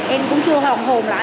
em cũng chưa hồng hồn lại